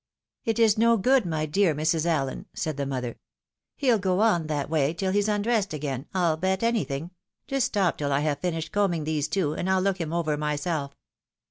" It is no good, my dear Mrs. AUen," said' the mother. " He'll go on that way till he's undressed again, I'll bet any thing — just stop till I have finished combing these two, and I'll look him over myself."